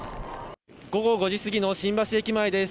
午後５時過ぎの新橋駅前です。